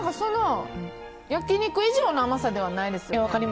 焼き肉以上の甘さではないですよね。